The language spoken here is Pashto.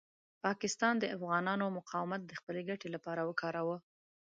پاکستان د افغانانو مقاومت د خپلې ګټې لپاره وکاروه.